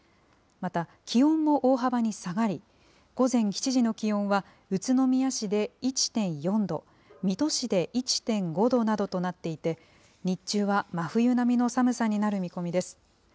また気温も大幅に下がり、午前７時の気温は宇都宮市で１．４度、水戸市で１．５度などとなっていて、日中は真冬並みの寒さになる見込みです。